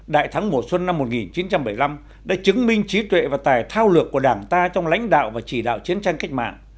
đại thắng mùa xuân năm một nghìn chín trăm bảy mươi năm đã chứng minh trí tuệ và tài thao lược của đảng ta trong lãnh đạo và chỉ đạo chiến tranh cách mạng